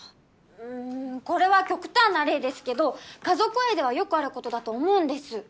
うーんこれは極端な例ですけど家族愛ではよくあることだと思うんです